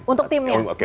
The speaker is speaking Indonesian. untuk tim ya